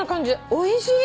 おいしい！